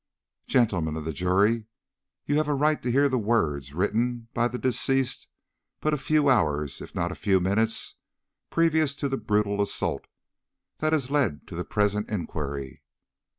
'" "Gentlemen of the Jury, you have a right to hear the words written by the deceased but a few hours, if not a few minutes, previous to the brutal assault that has led to the present inquiry.